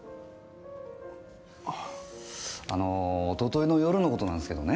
あのーおとといの夜の事なんすけどね。